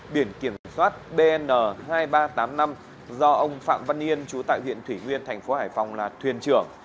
biển kiểm soát bn hai nghìn ba trăm tám mươi năm do ông phạm văn yên chú tại huyện thủy nguyên thành phố hải phòng là thuyền trưởng